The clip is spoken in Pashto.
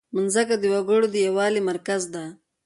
مځکه د وګړو د یووالي مرکز ده.